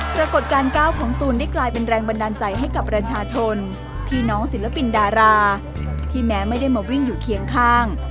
ปรากฏการณ์ก้าวของตูนได้กลายเป็นแรงบันดาลใจให้กับประชาชนพี่น้องศิลปินดาราที่แม้ไม่ได้มาวิ่งอยู่เคียงข้าง